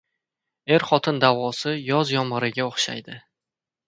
• Er-xotin da’vosi yoz yomg‘iriga o‘xshaydi.